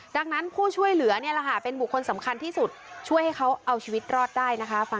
ดังนั้นผู้ช่วยเหลือเนี่ยแหละค่ะเป็นบุคคลสำคัญที่สุดช่วยให้เขาเอาชีวิตรอดได้นะคะ